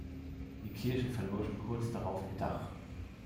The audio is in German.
Die Kirche verlor schon kurz darauf ihr Dach.